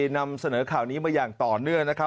นำเสนอข่าวนี้มาอย่างต่อเนื่องนะครับ